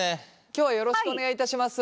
今日はよろしくお願いいたします。